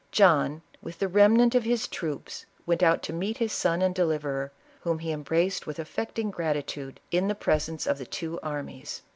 John, with the remnant of his troops, went out to meet his son and deliverer, whom he embraced with affecting gratitude, in the presence of the two armies.